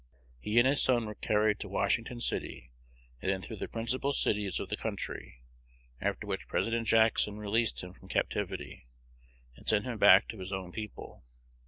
He and his son were carried to Washington City, and then through the principal cities of the country, after which President Jackson released him from captivity, and sent him back to his own people.